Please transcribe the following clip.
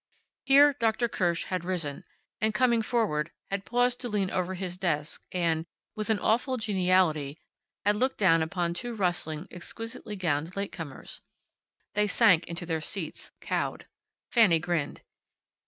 Here Dr. Kirsch had risen, and, coming forward, had paused to lean over his desk and, with an awful geniality, had looked down upon two rustling, exquisitely gowned late comers. They sank into their seats, cowed. Fanny grinned.